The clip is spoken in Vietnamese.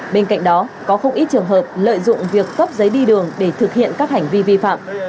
bên cạnh đó có không ít trường hợp lợi dụng việc cấp giấy đi đường để thực hiện các hành vi vi phạm